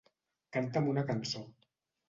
Canta'm una cançó.